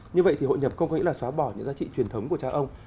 như vậy thì hội nhập có nghĩa là xóa bỏ những giá trị truyền thống của cha ông